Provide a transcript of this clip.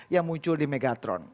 yang muncul di megatron